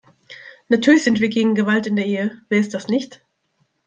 Natürlich sind wir gegen Gewalt in der Ehe, wer ist das nicht?